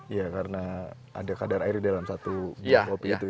iya karena ada kadar air di dalam satu kopi itu ya